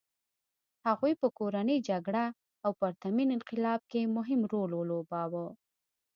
هغوی په کورنۍ جګړه او پرتمین انقلاب کې مهم رول ولوباوه.